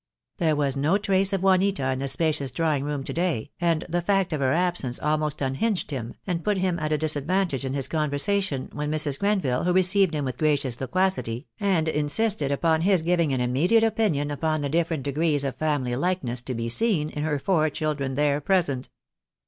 There was no trace of Juanita in the spacious drawing room to day, and the fact of her absence almost unhinged him, and put him at a disadvantage in his conversation when Mrs. Grenville, who received him with gracious loquacity, and insisted upon his giving an immediate opinion upon the different degrees of family likeness to be seen in her four chil dren there present.